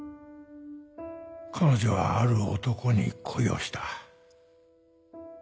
彼女はある男に恋をした